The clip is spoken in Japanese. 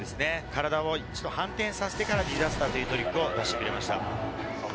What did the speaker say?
体を一度反転させてからディザスターというトリックを出してくれました。